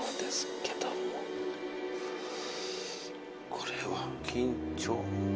これは。